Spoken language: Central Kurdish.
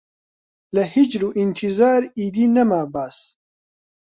لە هیجر و ئینتیزار ئیدی نەما باس